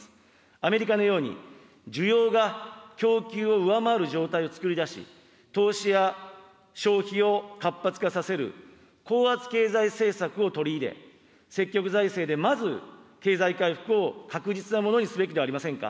アメリカのように、需要が供給を上回る状態をつくり出し、投資や消費を活発化させる、高圧経済政策を取り入れ、積極財政でまず、経済回復を確実なものにすべきではありませんか。